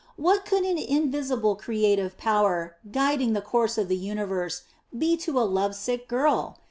What could an invisible creative power guiding the course of the universe be to a love sick girl?